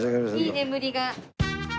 いい眠りが。